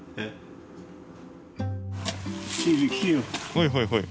はいはいはい。